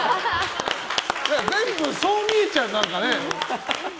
全部そう見えちゃう、何かね。